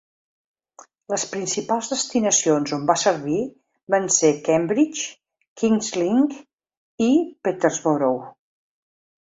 Les principals destinacions on va servir van ser Cambridge, King's Lynn i Peterborough.